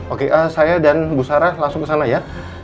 oke saya dan bu sarah langsung ke sana ya